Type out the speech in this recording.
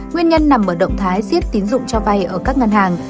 nguyên nhân nằm ở động thái siết tín dụng cho vay ở các ngân hàng